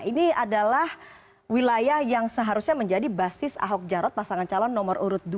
ini adalah wilayah yang seharusnya menjadi basis ahok jarot pasangan calon nomor urut dua